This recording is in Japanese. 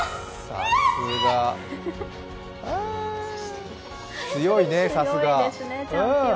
さすが、強いね、さすが。